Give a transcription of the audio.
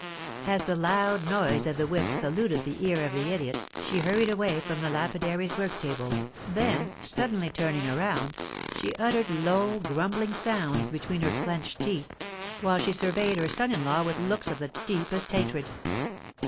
As the loud noise of the whip saluted the ear of the idiot, she hurried away from the lapidary's work table, then, suddenly turning around, she uttered low, grumbling sounds between her clenched teeth; while she surveyed her son in law with looks of the deepest hatred.